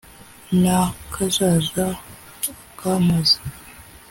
Na Kazaza akampoza